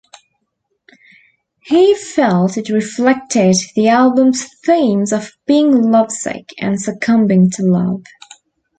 He felt it reflected the album's themes of being lovesick and succumbing to love.